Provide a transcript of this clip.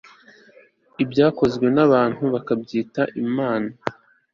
ibyakozwe n'abantu bakabyita imana